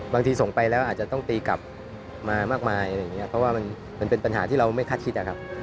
บางทีส่งไปแล้วอาจจะต้องตีกลับมามากมายเพราะว่ามันเป็นปัญหาที่เราไม่คาดคิด